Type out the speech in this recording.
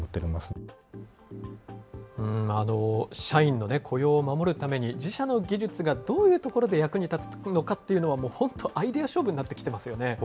社員の雇用を守るために、自社の技術がどういうところで役に立つのかというのは、本当、アイデア勝負になってきてますよね。